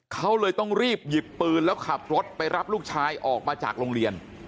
เขาเลยต้องรีบหยิบปืนแล้วขับรถไปรับลูกชายออกมาจากโรงเรียน